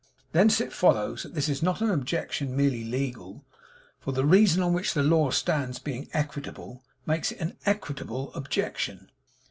Thence it follows, that this is not an objection merely legal: for the reason on which the law stands being equitable, makes it an equitable objection.'